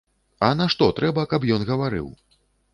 А нашто трэба, каб ён гаварыў?